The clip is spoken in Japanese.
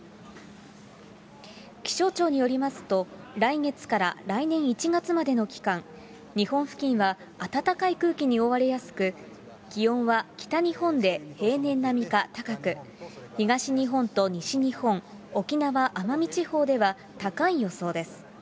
気象庁によりますと、来月から来年１月までの期間、日本付近は暖かい空気に覆われやすく、気温は北日本で平年並みか高く、東日本と西日本、沖縄・奄美地方では高い予想です。